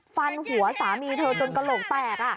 ฟันหัวสามีเธอจนกระโหลกแตก